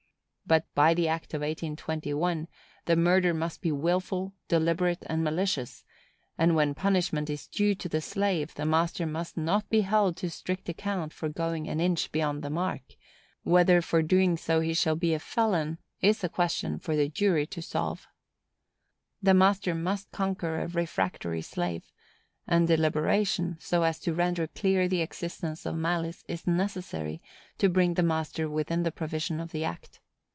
But, by the act of 1821, the murder must be wilful, deliberate and malicious; and, when punishment is due to the slave, the master must not be held to strict account for going an inch beyond the mark; whether for doing so he shall be a felon, is a question for the jury to solve. The master must conquer a refractory slave; and deliberation, so as to render clear the existence of malice, is necessary to bring the master within the provision of the act.